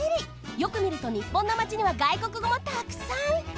よくみるとにっぽんのマチには外国語もたくさん！